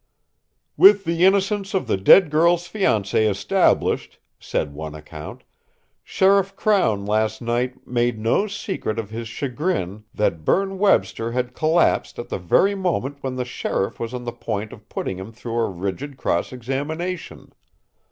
"With the innocence of the dead girl's fiancé established," said one account, "Sheriff Crown last night made no secret of his chagrin that Berne Webster had collapsed at the very moment when the sheriff was on the point of putting him through a rigid cross examination.